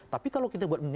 tapi kalau kita buat memilih